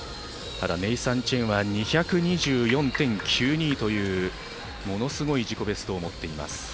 ネイサン・チェンは２２４．９２というものすごい自己ベストを持っています。